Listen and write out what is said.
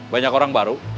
banyak orang baru